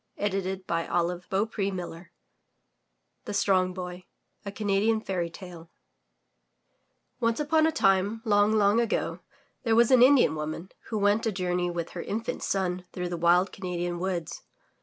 164 THROUGH FAIRY HALLS THE STRONG BOY A Canadian Fairy Tale Once upon a time, long, long ago, there was an Indian woman, who went a journey with her infant son through the wild Cana dian woods.